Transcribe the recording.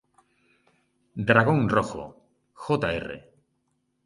Dragón Rojo, Jr.